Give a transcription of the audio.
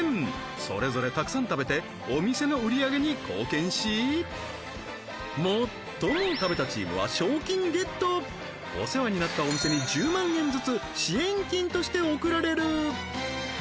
それぞれたくさん食べてお店の売り上げに貢献し最も食べたチームは賞金ゲットお世話になったお店に１０万円ずつ支援金として贈られる！